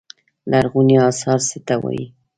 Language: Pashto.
لرغوني اثار څه ته وايي.